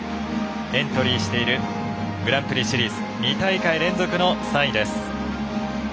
エントリーしているグランプリシリーズ２大会連続の３位です。